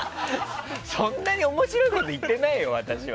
そんなに面白いこと言ってないよ、私は。